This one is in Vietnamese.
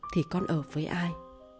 thì con ở với ai